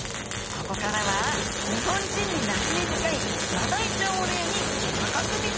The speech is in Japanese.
ここからは日本人になじみ深いマダイちゃんを例に細かく見ていきましょう